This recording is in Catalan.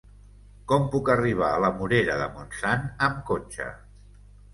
Com puc arribar a la Morera de Montsant amb cotxe?